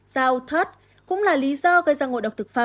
rau thớt cũng là lý do gây ra ngộ độc thực phẩm